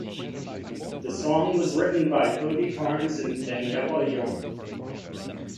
The song was written by Cody Carnes and Daniella Young.